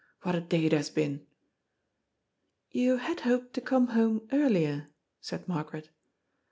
What a day it has been !"" You had hoped to come home earlier," said Margaret.